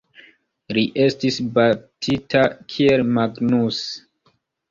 Li estis baptita kiel Magnus.